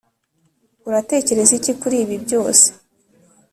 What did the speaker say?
uratekereza iki kuri ibi byose?